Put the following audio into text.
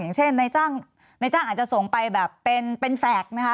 อย่างเช่นในจ้างอาจจะส่งไปแบบเป็นแฟลต์นะคะ